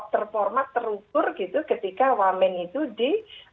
terformat terukur gitu ketika wamen itu di